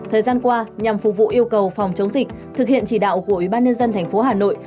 thời gian qua nhằm phục vụ yêu cầu phòng chống dịch thực hiện chỉ đạo của ubnd tp hà nội